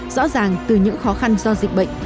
rõ ràng từ những khó khăn do dịch bệnh